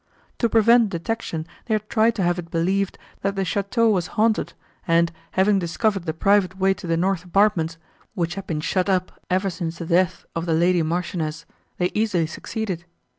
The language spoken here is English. To prevent detection they had tried to have it believed, that the château was haunted, and, having discovered the private way to the north apartments, which had been shut up ever since the death of the lady marchioness, they easily succeeded.